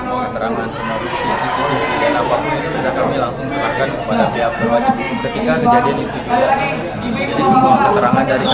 saya akan sering menampilkan dia saya akan men distancing seekor tangga untuk mendapatkan padahal waktunya woods ibu kami